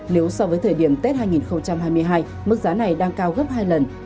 nếu so với thời điểm tết hai nghìn hai mươi hai mức giá này đang cao gấp hai lần